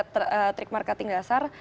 itu adalah trik marketing dasar